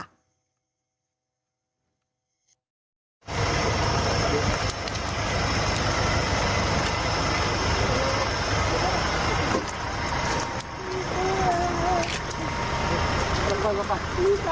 ตอนนี้รอแล้วรอเดี๋ยวผมมองเนี่ยคุณผู้ชมดูภาพเท้า